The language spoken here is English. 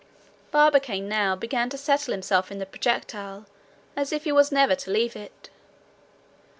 Barbicane now began to settle himself in the projectile as if he was never to leave it.